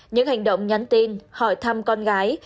những hành động nhắn tin hỏi thăm con gái